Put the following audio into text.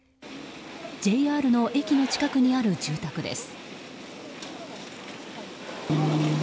ＪＲの駅の近くにある住宅です。